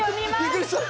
びっくりした。